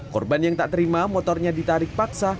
korban yang tak terima motornya ditarik paksa